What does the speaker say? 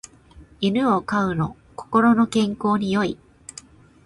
犬を飼うの心の健康に良い